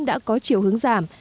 đã có chiều hướng giảm